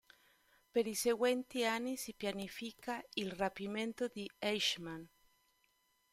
Per i seguenti anni si pianifica il rapimento di Eichmann.